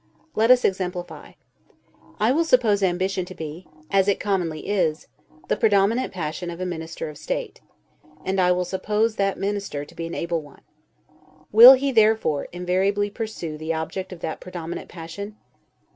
Let us exemplify. I will suppose ambition to be (as it commonly is) the predominant passion of a minister of state; and I will suppose that minister to be an able one. Will he, therefore, invariably pursue the object of that predominant passion?